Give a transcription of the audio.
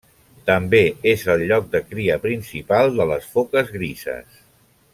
També és el lloc de cria principal de les foques grises.